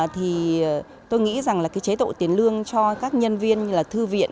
thì tôi nghĩ rằng là cái chế độ tiền lương cho các nhân viên như là thư viện